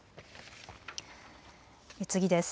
次です。